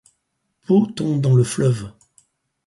Po tombe dans le fleuve.